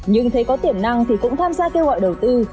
nhưng thấy có tiềm năng thì cũng tham gia kêu gọi đầu tư